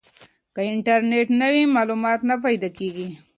که انټرنیټ نه وي معلومات نه پیدا کیږي.